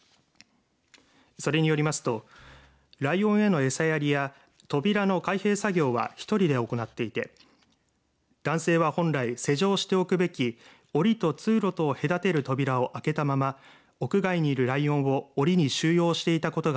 それによりますとライオンへの餌やりや扉の開閉作業は１人で行っていて男性は本来施錠しておくべきおりと通路とを隔てる扉を開けたまま屋外にいるライオンをおりに収容していたことが